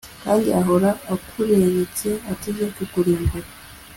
kandi ahora akureretse, ateze kukurimbura